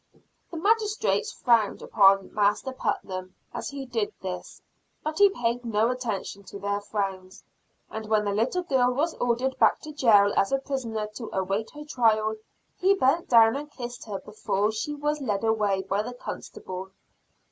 The Magistrates frowned upon Master Putnam, as he did this, but he paid no attention to their frowns. And when the little girl was ordered back to jail as a prisoner to await her trial, he bent down and kissed her before she was led away by the constable.